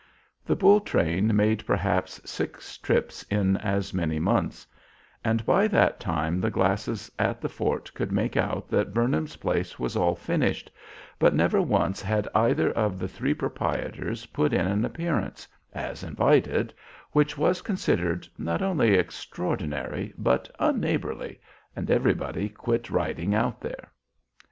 The bull train made perhaps six trips in as many months, and by that time the glasses at the fort could make out that Burnham's place was all finished, but never once had either of the three proprietors put in an appearance, as invited, which was considered not only extraordinary but unneighborly, and everybody quit riding out there."